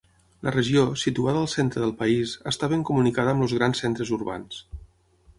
La regió, situada al centre del país, està ben comunicada amb els grans centres urbans.